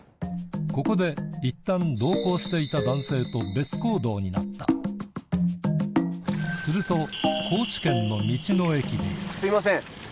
ここでいったん同行していた男性と別行動になったすると・すいません！